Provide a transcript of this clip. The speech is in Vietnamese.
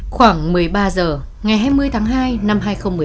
khoảng một mươi ba h ngày hai mươi tháng hai năm hai nghìn một mươi hai